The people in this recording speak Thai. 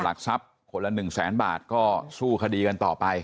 หลักทรัพย์คนละ๑แสนบาทก็สู้คดีกันต่อไป